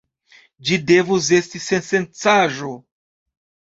Ĝi devus esti sensencaĵo.